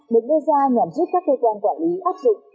được đưa ra nhằm giúp các cơ quan quản lý áp dụng